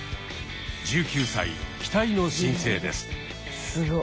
１９歳期待の新星です。